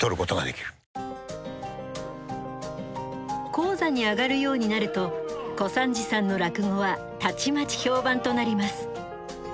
高座に上がるようになると小三治さんの落語はたちまち評判となります。